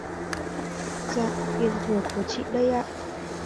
dạ tiền thừa của chị đấy ạ